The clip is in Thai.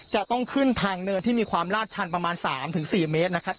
จะต้องขึ้นทางเนินที่มีความลาดชันประมาณ๓๔เมตรนะครับ